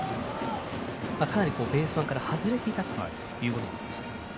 ベース板から外れていたということになりました。